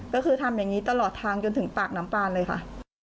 ก็คือทำอย่างนี้ตลอดทางจนถึงปากน้ำปลาเลยค่ะ